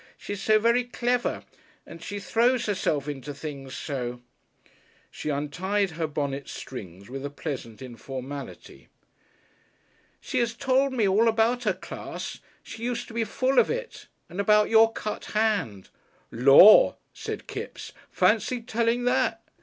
She's so very clever. And she throws herself into things so." She untied her bonnet strings with a pleasant informality. "She has told me all about her class. She used to be full of it. And about your cut hand." "Lor'!" said Kipps; "fancy, telling that!"